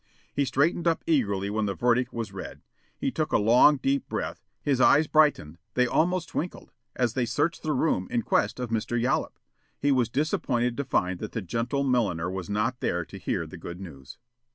He straightened up eagerly when the verdict was read. He took a long, deep breath. His eyes brightened, they almost twinkled, as they searched the room in quest of Mr. Yollop. He was disappointed to find that the gentle milliner was not there to hear the good news.